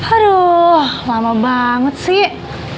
aduh lama banget sih